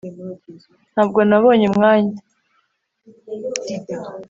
ntabwo nabonye umwanya